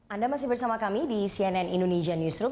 anda masih bersama kami di cnn indonesia newsroom